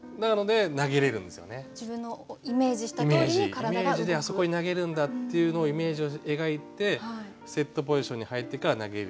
イメージであそこに投げるんだっていうのをイメージを描いてセットポジションに入ってから投げる。